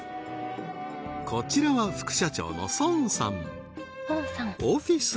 こちらは副社長の孫さん